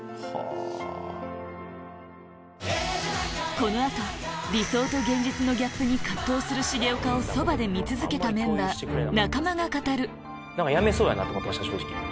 この後理想と現実のギャップに藤する重岡をそばで見続けたメンバー中間が語る思ってました正直。